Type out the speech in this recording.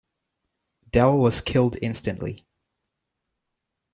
Dell was killed instantly.